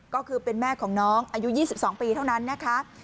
ก็คือเป็นแม่ของน้องอายุ๒๒ปีเท่านั้นนะคะ